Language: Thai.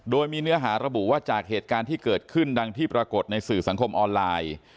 โดยมีเนื้อหาระบุว่าจากเหตุการณ์ที่เกิดขึ้นดังที่ปรากฏในสื่อสังคมออนไลน์